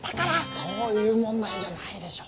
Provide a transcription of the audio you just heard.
そういう問題じゃないでしょ。